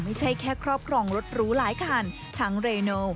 ไม่ใช่แค่ครอบครองรถหรูหลายคันทั้งเรโน